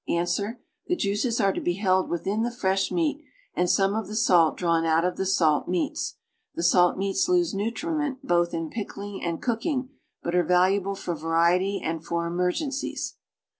Ans. The jtiices are to lie held « itliin the fresh meat, and some of the salt drawn out of the salt meats. The salt meats lose nu triment both in pickling and cooking, but are valuable for variety and for emergencies.